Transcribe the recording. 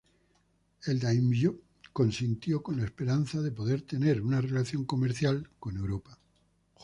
El daimyō consintió con la esperanza de poder tener una relación comercial con Europa.